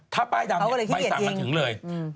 ถ้าป้ายดำใบสั่งมันถึงเลยแล้ววันนี้ขี้เกียจยิง